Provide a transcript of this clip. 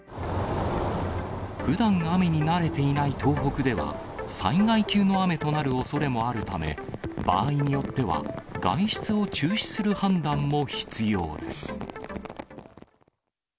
ふだん雨に慣れていない東北では、災害級の雨となるおそれもあるため、場合によっては、外出を中止する判断も必要です。